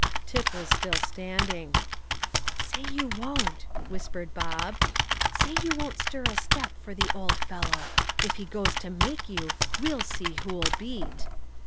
Tip was still standing. "Say you won't," whispered Bob. "Say you won't stir a step for the old fellow. If he goes to make you, we'll see who'll beat."